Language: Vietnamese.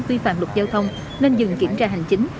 vi phạm luật giao thông nên dừng kiểm tra hành chính